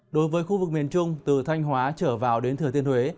đối với khu vực miền trung từ thanh hóa trở vào đến thừa tiên huế